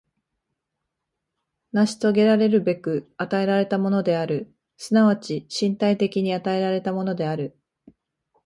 成し遂げらるべく与えられたものである、即ち身体的に与えられたものである。